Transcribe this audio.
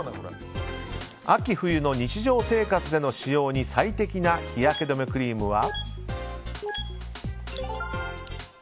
秋冬の日常生活での使用に最適な日焼け止めクリームは。